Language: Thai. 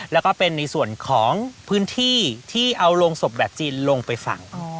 แล้วก็เป็นในส่วนของพื้นที่ที่เอาโรงศพแบบจีนลงไปฝั่ง